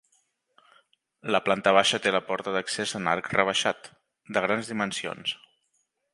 La planta baixa té la porta d'accés en arc rebaixat, de grans dimensions.